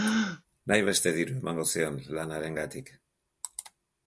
Nahi beste diru emango zion lan harengatik.